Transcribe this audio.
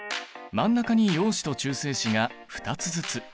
真ん中に陽子と中性子が２つずつ。